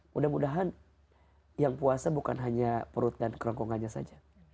mudah mudahan yang puasa bukan hanya perut dan kerongkongannya saja